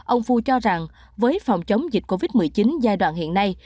ông phu cho rằng với phòng chống dịch covid một mươi chín giai đoạn hiện nay